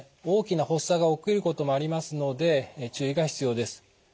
大きな発作が起きることもありますので注意が必要です。